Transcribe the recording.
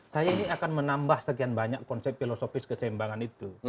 saya ini akan menambah sekian banyak konsep filosofis keseimbangan itu